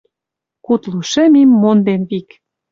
Кудлу шӹм им монден вик